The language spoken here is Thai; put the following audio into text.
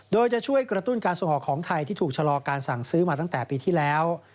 โดยจะช่วยกระตุ้นการส่งออกของไทยที่ถูกชะลอการสั่งซื้อมาตั้งแต่ปีที่แล้ว